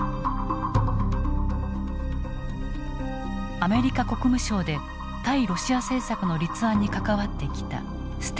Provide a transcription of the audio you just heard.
アメリカ国務省で対ロシア政策の立案に関わってきたステント氏。